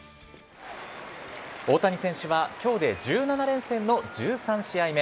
大谷選手は今日で１７連戦の１３試合目。